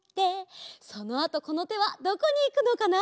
そのあとこのてはどこにいくのかな？